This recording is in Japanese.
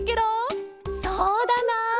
そうだな。